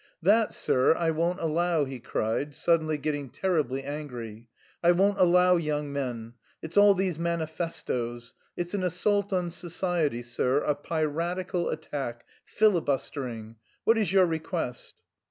"That, sir, I won't allow," he cried, suddenly getting terribly angry. "I won't allow young men! It's all these manifestoes? It's an assault on society, sir, a piratical attack, filibustering.... What is your request?"